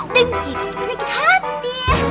dengin penyakit hati ya